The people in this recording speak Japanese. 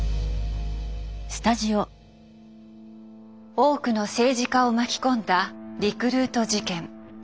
多くの政治家を巻き込んだリクルート事件。